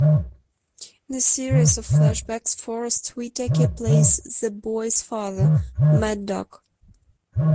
In a series of flashbacks, Forest Whitaker plays the boys' father, Mad Dog.